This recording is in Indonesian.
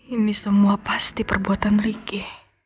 ini semua pasti perbuatan ricky